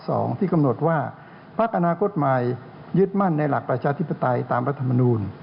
จะทดสดว่าปักษณ์กฏมัยยืดมั่นในหลักประชาธิปไตยตามรัฐธรรมนูญ